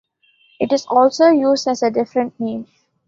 It is also used as a different name.